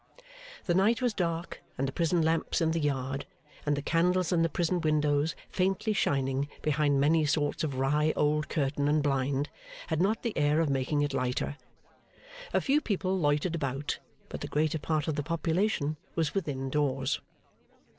The night was dark; and the prison lamps in the yard, and the candles in the prison windows faintly shining behind many sorts of wry old curtain and blind, had not the air of making it lighter. A few people loitered about, but the greater part of the population was within doors.